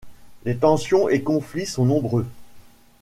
Les tensions et conflits sont nombreux.